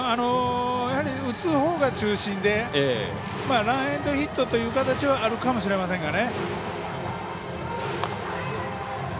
打つほうが中心でランエンドヒットという形はあるかもしれませんね。